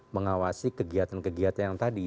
mengawasi kegiatan kegiatan yang tadi